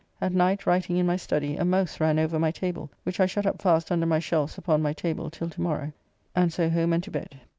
At night writing in my study a mouse ran over my table, which I shut up fast under my shelf's upon my table till to morrow, and so home and to bed.